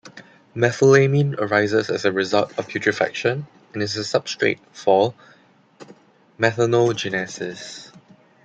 Methylamine arises as a result of putrefaction and is a substrate for methanogenesis.